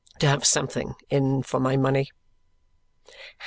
To have something in for my money."